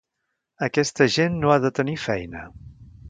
Aquesta gent no ha de tenir feina.